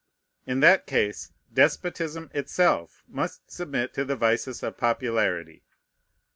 In that case despotism itself must submit to the vices of popularity.